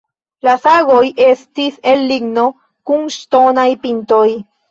La sagoj estis el ligno kun ŝtonaj pintoj.